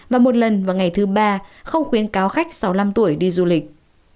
và một lần vào ngày thứ ba không khuyến cáo khách sáu mươi năm tuổi đi du lịch